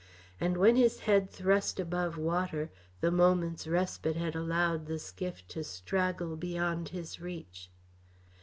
And when his head thrust above water, the moment's respite had allowed the skiff to straggle beyond his reach.